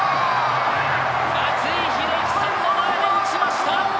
松井秀喜さんの前で打ちました！